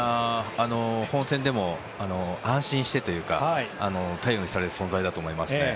本戦でも安心してというか頼りにされる存在だと思います。